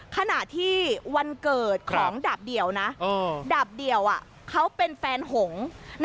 ขณะที่วันเกิดของดาบเดียวนะดาบเดียวเขาเป็นแฟนหงษ์